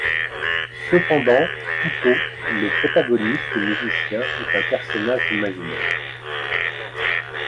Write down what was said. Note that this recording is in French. Cependant, Couto, le protagoniste et musicien, est un personnage imaginaire.